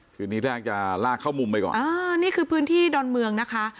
คืนนี้แรกจะลากเข้ามุมไปก่อนอ่านี่คือพื้นที่ดอนเมืองนะคะ